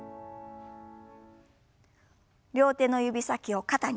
両手の指先を肩に。